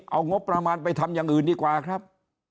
เอางบประมาณไปทำอย่างอื่นดีกว่าครับ